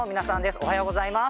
おはようございます。